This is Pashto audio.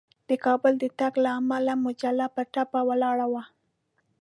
د کابل د تګ له امله مجله په ټپه ولاړه وه.